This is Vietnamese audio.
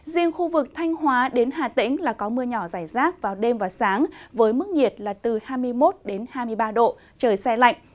riêng khu vực thanh hóa đến hà tĩnh là có mưa nhỏ dài rác vào đêm và sáng với mức nhiệt là từ hai mươi một hai mươi ba độ trời xe lạnh